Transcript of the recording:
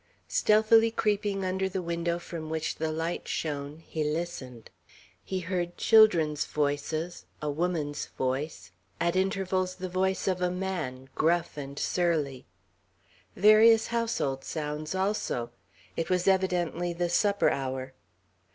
Stealthily creeping under the window from which the light shone, he listened. He heard children's voices; a woman's voice; at intervals the voice of a man, gruff and surly; various household sounds also. It was evidently the supper hour.